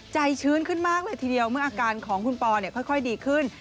ชื้นขึ้นมากเลยทีเดียวเมื่ออาการของคุณปอค่อยดีขึ้น